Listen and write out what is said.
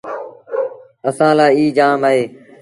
اسآݩٚ لآ ايٚ جآم اهي۔